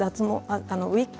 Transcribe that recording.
ウイッグ？